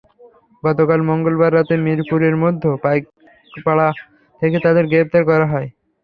গতকাল মঙ্গলবার রাতে মিরপুরের মধ্য পাইকপাড়া থেকে তাঁদের গ্রেপ্তার করা হয়।